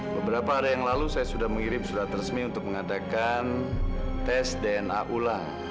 beberapa hari yang lalu saya sudah mengirim surat resmi untuk mengadakan tes dna ulang